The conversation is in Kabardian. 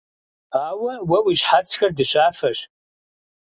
Ауэ уэ уи щхьэцхэр дыщафэщ.